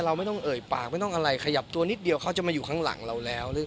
เราไม่ต้องเอ่ยปากไม่ต้องอะไรขยับตัวนิดเดียวเขาจะมาอยู่ข้างหลังเราแล้วหรือ